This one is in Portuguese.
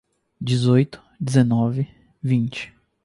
Dezoito, dezenove, vinte